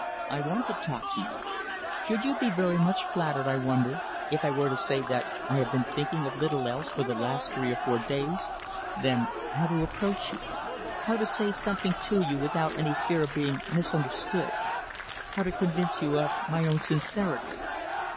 I want to talk to you. Should you be very much flattered, I wonder, if I were to say that I have been thinking of little else for the last three or four days than how to approach you, how to say something to you without any fear of being misunderstood, how to convince you of my own sincerity?"